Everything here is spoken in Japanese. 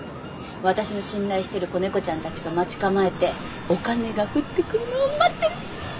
私の信頼してる子猫ちゃんたちが待ち構えてお金が降ってくるのを待ってる！